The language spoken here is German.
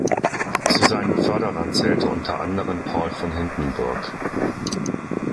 Zu seinen Förderern zählte unter anderen Paul von Hindenburg.